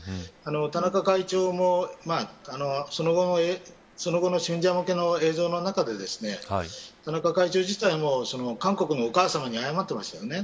田中会長もその後の信者向けの映像の中で田中会長自体も韓国のお母様に謝っていましたよね